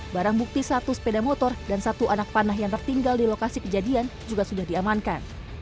barang bukti satu sepeda motor dan satu anak panah yang tertinggal di lokasi kejadian juga sudah diamankan